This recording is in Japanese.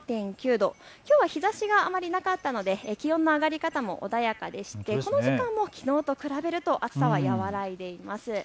きょうは日ざしがあまりなかったので気温の上がり方も穏やかでして、この時間もきのうと比べると暑さは和らいでいます。